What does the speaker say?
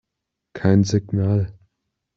Kein Signal.